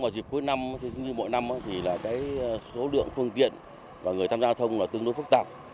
dịp cuối năm như mỗi năm số lượng phương tiện và người tham gia giao thông tương đối phức tạp